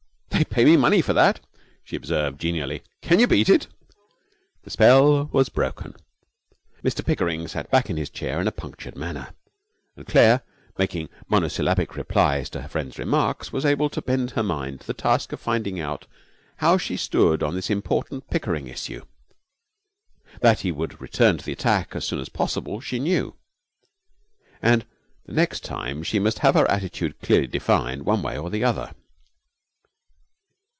'They pay me money for that!' she observed, genially. 'Can you beat it?' The spell was broken. Mr Pickering sank back in his chair in a punctured manner. And Claire, making monosyllabic replies to her friend's remarks, was able to bend her mind to the task of finding out how she stood on this important Pickering issue. That he would return to the attack as soon as possible she knew; and the next time she must have her attitude clearly defined one way or the other.